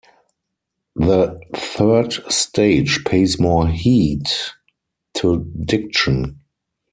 The third stage pays more heed to diction.